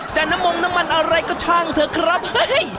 น้ำมงน้ำมันอะไรก็ช่างเถอะครับเฮ้ย